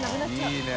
いいね。